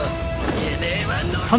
てめえはのろま！